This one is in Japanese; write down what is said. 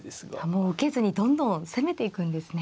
もう受けずにどんどん攻めていくんですね。